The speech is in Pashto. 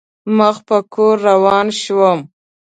مخ په کور روان شوم.